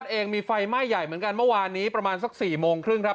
เองมีไฟไหม้ใหญ่เหมือนกันเมื่อวานนี้ประมาณสัก๔โมงครึ่งครับ